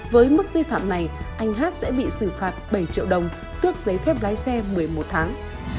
với mức vi phạm này anh hát sẽ bị xử phạt bảy triệu đồng tước giấy phép lái xe một mươi một tháng